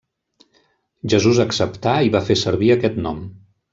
Jesús acceptà i va fer servir aquest nom.